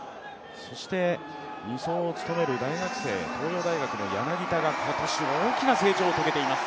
そして２走を務める大学生、東洋大学の柳田が今年大きな成長を遂げています。